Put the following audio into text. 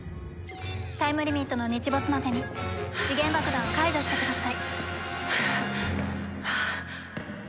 タイムリミットの日没までに時限爆弾を解除してください。